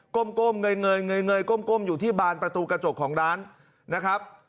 ก้มเงย้มอยู่ที่บานประตูกระจกของร้านนะครับ